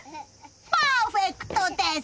パーフェクトです！